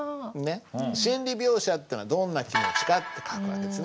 心理描写っていうのはどんな気持ちかって書く訳ですね。